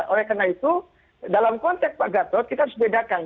karena itu dalam konteks pak gatot kita harus bedakan